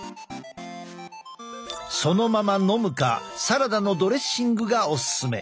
そのまま飲むかサラダのドレッシングがオススメ。